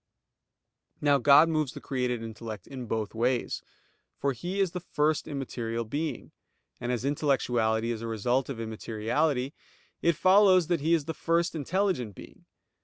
Now God moves the created intellect in both ways. For He is the First immaterial Being; and as intellectuality is a result of immateriality, it follows that He is the First intelligent Being.